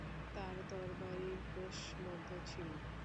তার তরবারিও কোষবদ্ধ ছিল।